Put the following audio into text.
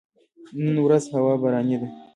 نن ورځ هوا باراني ده